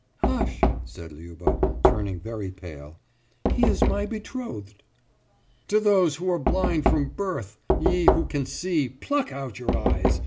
« »Hush!« said Liuba, turning very pale, »He is my betrothed.« »To those who are blind from birth! Ye who can see, pluck out your eyes!